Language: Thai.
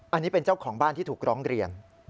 อันนี้เป็นเจ้าของบ้านที่ถูกร้องเรียน